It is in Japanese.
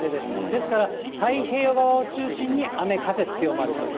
ですから、太平洋側を中心に、雨、風強まるという。